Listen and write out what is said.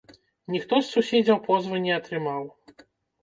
Ніхто з суседзяў позвы не атрымаў.